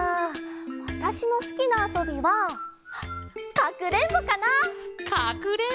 わたしのすきなあそびはかくれんぼかな！